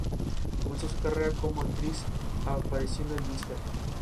Es una pieza importante del período romántico temprano.